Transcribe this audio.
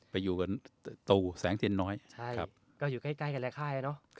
ไปอยู่กับตูแสงเทียนน้อยใช่ก็อยู่ใกล้กันแหละค่ายเนอะ